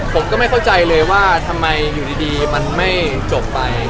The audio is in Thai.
ผมก็ไม่เข้าใจเลยว่าทำไมอยู่ดีมันไม่จบไป